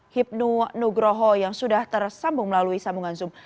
hipnu nugroho yang sudah tersambung melalui sambungan zoom